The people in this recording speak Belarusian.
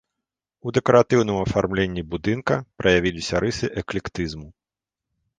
У дэкаратыўным афармленні будынка праявіліся рысы эклектызму.